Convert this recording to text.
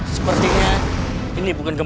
sepertinya ini bukan